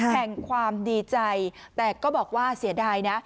แห่งความดีใจแต่ก็บอกว่าเสียดายนะ